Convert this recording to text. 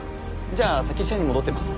じゃあ先社に戻ってます。